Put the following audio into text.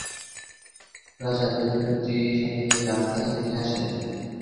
রাজা দেবী মূর্তি সাথে নিয়ে রাজধানী ফিরে আসেন।